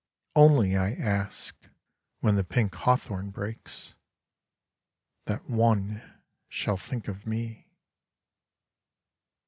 ... Only, I ask, when the pink hawthorn breaks. That one shall think of me.